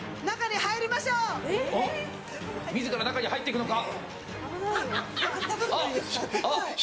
自ら中に入っていくのか。